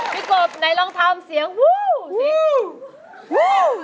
พี่กบในลองทำเสียงวู้ว